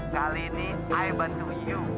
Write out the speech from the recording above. kali ini i bantu you